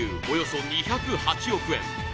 およそ２０８億円